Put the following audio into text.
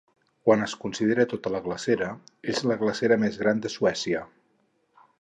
Quan es considera tota la glacera, és la glacera més gran de Suècia.